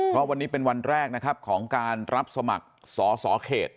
เพราะวันนี้เป็นวันแรกนะครับของการรับสมัครสอสอเขต